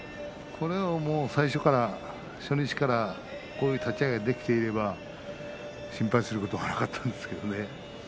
これをもう、最初から初日からこういう立ち合いができていれば心配することはなかったんですけどね。